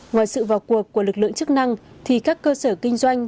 ngoài sự vào cuộc của lực lượng chức năng thì các cơ sở kinh doanh